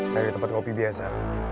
kayak di tempat kopi biasa